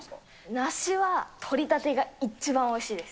梨は、取り立てが一番おいしいです。